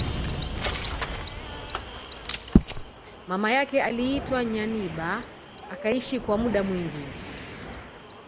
Mama yake aliitwa Nyanibah akaishi kwa muda mwingi